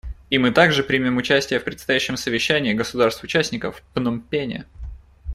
И мы также примем участие в предстоящем совещании государств-участников в Пномпене.